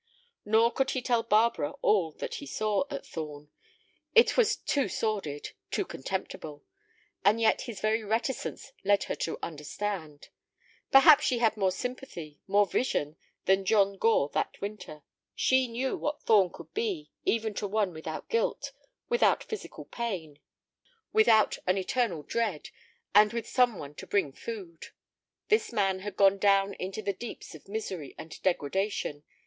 Nor could he tell Barbara all that he saw at Thorn. It was too sordid, too contemptible; and yet his very reticence led her to understand. Perhaps she had more sympathy, more vision than John Gore that winter. She knew what Thorn could be even to one without guilt, without physical pain, without an eternal dread, and with some one to bring food. This man had gone down into the deeps of misery and degradation.